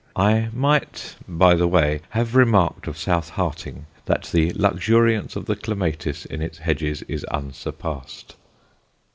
I might, by the way, have remarked of South Harting that the luxuriance of the clematis in its hedges is unsurpassed.